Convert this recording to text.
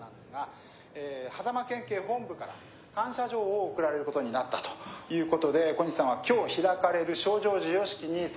「狭間県警本部から感謝状を贈られることになったということで小西さんは今日開かれる賞状授与式に参加予定だということです」。